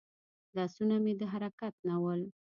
لاسونه مې د حرکت نه ول.